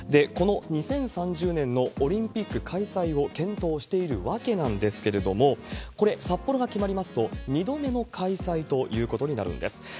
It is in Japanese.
この２０３０年のオリンピック開催を検討しているわけなんですけれども、これ、札幌が決まりますと、２度目の開催ということになるんです。